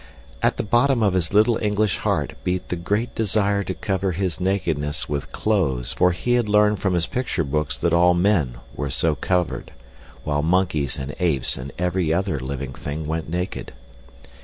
At the bottom of his little English heart beat the great desire to cover his nakedness with clothes for he had learned from his picture books that all men were so covered, while monkeys and apes and every other living thing went naked.